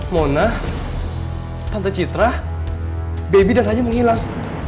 mona tante citra baby dan haji menghilang